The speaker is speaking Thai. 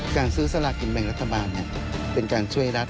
การซื้อสลากินแบ่งรัฐบาลเป็นการช่วยรัฐ